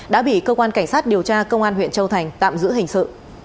đã bị cơ quan cảnh sát điều tra công an huyện châu thành tạm giữ hình sự